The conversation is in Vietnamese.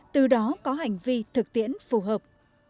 từ đó có hành vi thực tiễn phù hợp